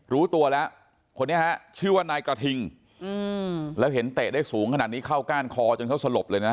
รู้ตัวแล้วคนนี้ฮะชื่อว่านายกระทิงแล้วเห็นเตะได้สูงขนาดนี้เข้าก้านคอจนเขาสลบเลยนะ